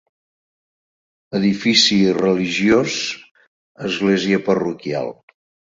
Edifici religiós, església parroquial.